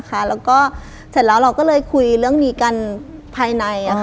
แล้วก็เสร็จแล้วเราก็เลยคุยเรื่องนี้กันภายใน